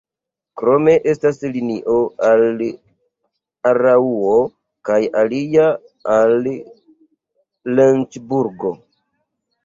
Krome estas linio al Araŭo kaj alia al Lencburgo.